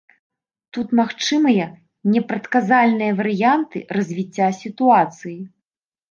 Тут магчымыя непрадказальныя варыянты развіцця сітуацыі.